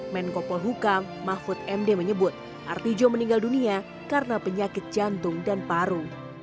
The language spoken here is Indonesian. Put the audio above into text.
menko polhukam mahfud md menyebut artijo meninggal dunia karena penyakit jantung dan paru